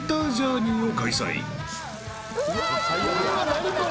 何これ。